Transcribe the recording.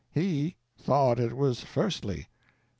He thought it was firstly.